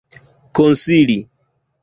konsili